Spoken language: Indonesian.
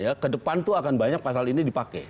ya ke depan tuh akan banyak pasal ini dipakai